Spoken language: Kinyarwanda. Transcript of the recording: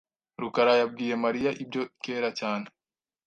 rukara yabwiye Mariya ibyo kera cyane. .